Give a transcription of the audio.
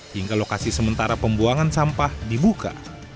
hingga lokasi sementara pembuangan sampah dibuka